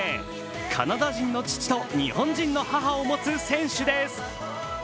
カナダ人の父と日本人の母を持つ選手です。